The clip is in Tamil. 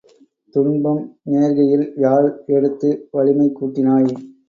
துன்பம் நேர்கையில் யாழ் எடுத்து வலிமை கூட்டினாய்.